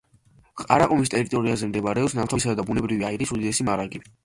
ყარაყუმის ტერიტორიაზე მდებარეობს ნავთობისა და ბუნებრივი აირის უდიდესი მარაგები.